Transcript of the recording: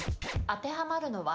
当てはまるのは？